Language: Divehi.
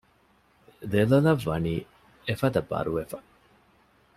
ދެލޮލަށް ވަނީ އެފަދަ ބަރުވެފަ